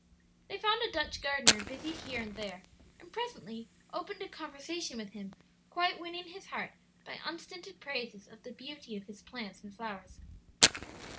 They found a Dutch gardener busied here and there, and presently opened a conversation with him, quite winning his heart by unstinted praises of the beauty of his plants and flowers.